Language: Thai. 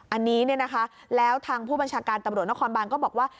อันนี้เนี่ยนะคะแล้วทางผู้บัญชาการตำรวจนครบานก็บอกว่า